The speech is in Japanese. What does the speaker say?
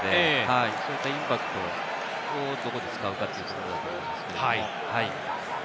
そういったインパクトをどう使うかというところですね。